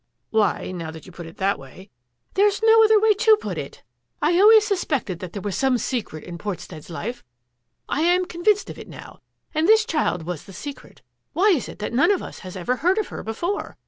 "" Why, now that you put it that way —"" There's no other way to put it ! I always sus A GAME OF PIQUET 161 pected that there was some secret in Portstead's life ; I am convinced of it now — and this child was the secret. Why is it that none of us has ever heard of her before?